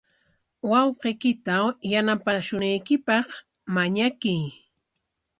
Wawqiykita yanapashunaykipaq mañakuy.